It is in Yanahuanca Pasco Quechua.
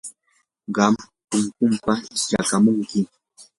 qam punkupam yaykamunki.